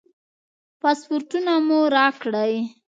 پاسپورټونه مو راکړئ.